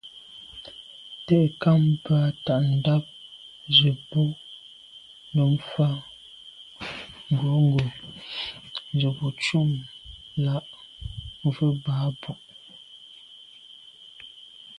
Te'nkam bə́ á tà' ndàp zə̄ bú nǔm fá ŋgǒngǒ zə̄ bū cûm lɑ̂' mvə̀ Ba'Bu.